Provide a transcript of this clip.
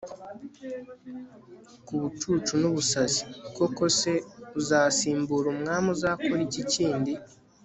ku bucucu n'ubusazi. koko se, uzasimbura umwami azakora iki kindi